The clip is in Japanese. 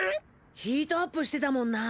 ヒートアップしてたもんな。